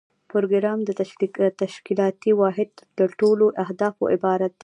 پروګرام د تشکیلاتي واحد له ټولو اهدافو عبارت دی.